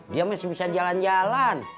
dia masih bisa jalan jalan